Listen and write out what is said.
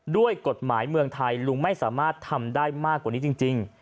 ด้วยกฎหมายเมืองไทยลุงไม่สามารถทำได้มากกว่านี้จริง